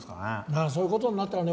まあそういう事になったらね